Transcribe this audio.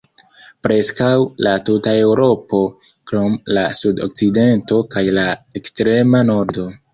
Preskaŭ la tuta Eŭropo krom la sud-okcidento kaj la ekstrema nordo.